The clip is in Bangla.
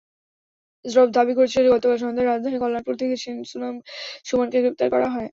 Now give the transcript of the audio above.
র্যাব দাবি করেছে, গতকাল সন্ধ্যায় রাজধানীর কল্যাণপুর থেকে সেন সুমনকে গ্রেপ্তার করা হয়।